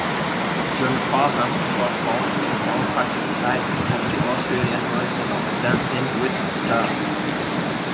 John Farnham performed Downhearted live on the Australian version of Dancing With the Stars.